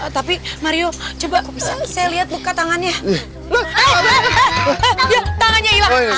tapi mario coba lihat tangannya